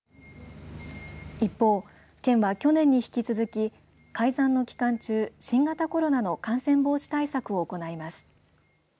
一方、県は去年に引き続き開山の期間中新型コロナの感染防止対策を行います。